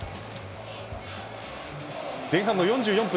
前半の４４分。